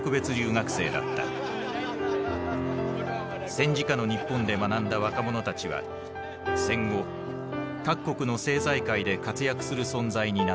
戦時下の日本で学んだ若者たちは戦後各国の政財界で活躍する存在になっていた。